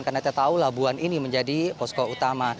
karena kita tahu labuan ini menjadi posko utama